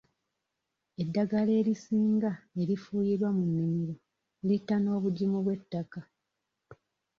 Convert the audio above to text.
Eddagala erisinga erifuuyirwa mu nnimiro litta n'obugimu bw'ettaka.